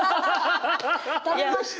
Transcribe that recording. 食べました？